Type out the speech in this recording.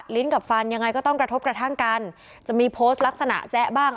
กับฟันยังไงก็ต้องกระทบกระทั่งกันจะมีโพสต์ลักษณะแซะบ้าง